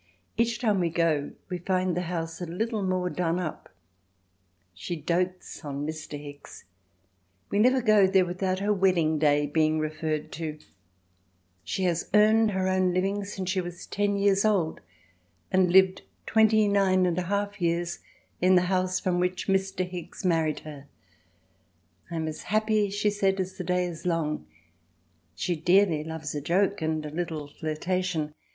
Each time we go we find the house a little more done up. She dotes on Mr. Hicks—we never go there without her wedding day being referred to. She has earned her own living ever since she was ten years old, and lived twenty nine and a half years in the house from which Mr. Hicks married her. "I am as happy," she said, "as the day is long." She dearly loves a joke and a little flirtation.